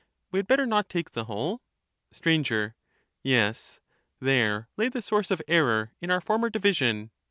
We had better not take the whole ? Str. Yes, there lay the source of error in our former division.